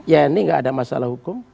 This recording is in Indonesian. yeni tidak ada masalah hukum